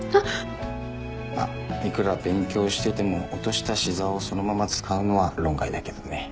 まっいくら勉強してても落としたシザーをそのまま使うのは論外だけどね。